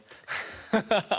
ハハハハ。